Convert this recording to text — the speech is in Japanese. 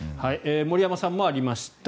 森山さんもありました。